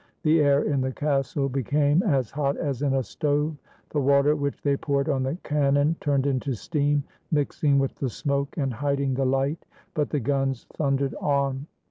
The air in the castle became as hot as in a stove. The water which they poured on the cannon turned into steam, mixing with the smoke and hiding the light; but the guns thundered on.